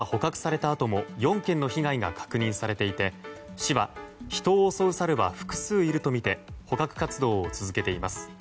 サルが捕獲されたあとも４件の被害が確認されていて市は人を襲うサルは複数いるとみて捕獲活動を続けています。